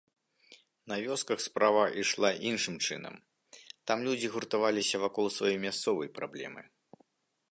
На вёсках справа ішла іншым чынам, там людзі гуртаваліся вакол сваёй мясцовай праблемы.